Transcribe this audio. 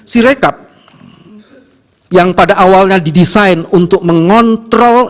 sirekap yang pada awalnya didesain untuk mengontrol